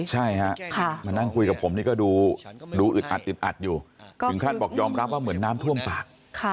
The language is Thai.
ใช่ฮะมานั่งคุยกับผมนี่ก็ดูอึดอัดอึดอัดอยู่ถึงขั้นบอกยอมรับว่าเหมือนน้ำท่วมปาก